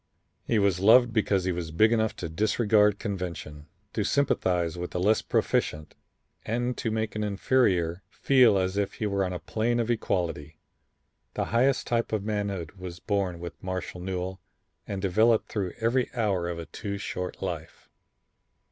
He was loved because he was big enough to disregard convention, to sympathize with the less proficient and to make an inferior feel as if he were on a plane of equality. The highest type of manhood was born with Marshall Newell and developed through every hour of a too short life.